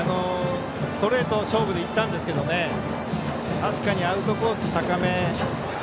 ストレート勝負でいったんですが確かにアウトコース高め。